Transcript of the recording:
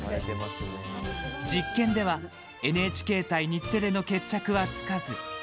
実験ではＮＨＫ対日テレの決着はつかず。